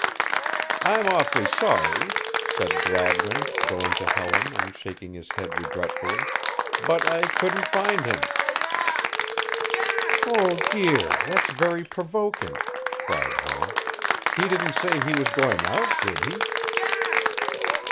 "I'm awfully sorry," said Gladwin, going to Helen and shaking his head regretfully, "but I couldn't find him." "Oh, dear! That's very provoking!" cried Helen. "He didn't say he was going out, did he?"